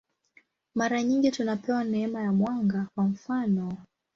Mara nyingi tunapewa neema ya mwanga, kwa mfanof.